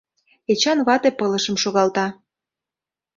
Эчан вате пылышым шогалта.